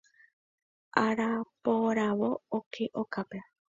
Araporãrõ oke okápe.